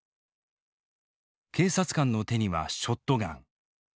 警察官の手にはショットガン。